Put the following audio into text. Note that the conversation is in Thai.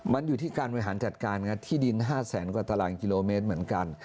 มันอยู่ที่การบริหารจัดการที่ดิน๕แสนกว่าตารางกิโลเมตรเหมือนกัน